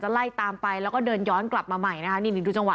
ไล่ตามไปแล้วก็เดินย้อนกลับมาใหม่นะคะนี่ดูจังห